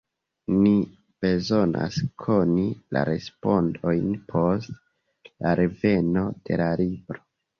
Ni bezonas koni la respondojn post la reveno de la libro.